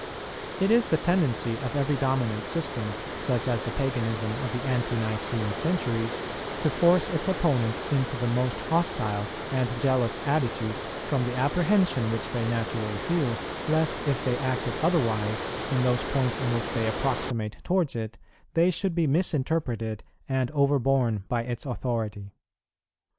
It is the tendency of every dominant system, such as the Paganism of the Ante nicene centuries, to force its opponents into the most hostile and jealous attitude, from the apprehension which they naturally feel, lest if they acted otherwise, in those points in which they approximate towards it, they should be misinterpreted and overborne by its authority.